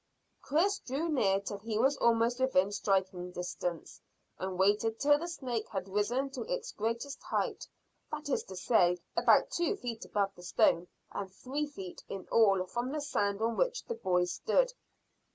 Chris drew near till he was almost within striking distance, and waited till the snake had risen to its greatest height, that is to say, about two feet above the stone and three feet in all from the sand on which the boy stood.